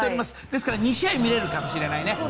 ですから、２試合見れるかもしれないね。